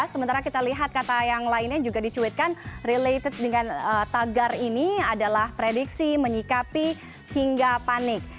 sementara kita lihat kata yang lainnya juga dicuitkan related dengan tagar ini adalah prediksi menyikapi hingga panik